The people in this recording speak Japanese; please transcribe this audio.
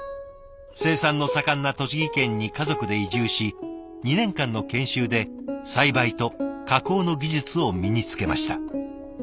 生産の盛んな栃木県に家族で移住し２年間の研修で栽培と加工の技術を身につけました。